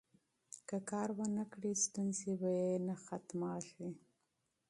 که کار ونکړي، ستونزې به یې نه ختمیږي.